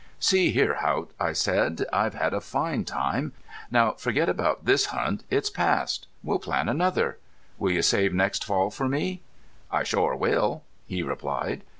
"See here, Haught," I said. "I've had a fine time. Now forget about this hunt. It's past. We'll plan another. Will you save next fall for me?" "I shore will," he replied.